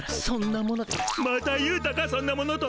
また言うたかそんなものと。